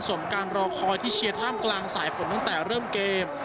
ส่วนการรอคอยที่เชียร์ท่ามกลางสายฝนตั้งแต่เริ่มเกม